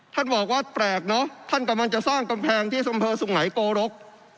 ท่านบอกว่าแปลกเนอะท่านกำลังจะสร้างกำแพงที่อำเภอสุงไหนโกรก